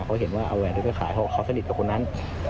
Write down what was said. เขาเห็นว่าเอาแหวนไปขายเขาสนิทกับคนนั้น